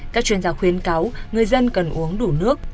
các chuyên gia khuyến cáo người dân cần uống đủ nước